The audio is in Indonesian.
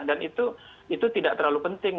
dan itu tidak terlalu penting